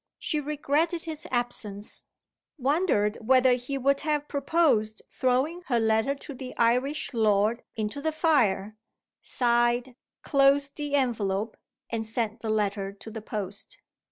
She regretted his absence wondered whether he would have proposed throwing her letter to the Irish lord into the fire sighed, closed the envelope, and sent the letter to the post.